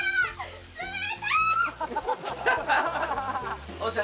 冷たい！